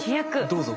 どうぞ。